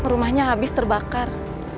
rumahnya habis terbakar